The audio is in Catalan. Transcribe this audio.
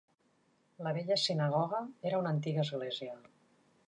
La vella sinagoga era una antiga església.